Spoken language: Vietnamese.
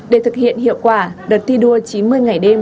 để thực hiện hiệu quả đợt thi đua chín mươi ngày đêm